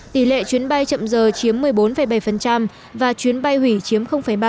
tỷ lệ chuyến bay chậm giờ chiếm một mươi bốn bảy và chuyến bay hủy chiếm ba